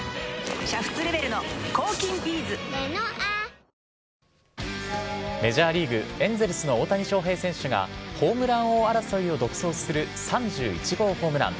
一方、路線価の全国１位は、３８年連続で、メジャーリーグ、エンゼルスの大谷翔平選手がホームラン王争いを独走する３１号ホームラン。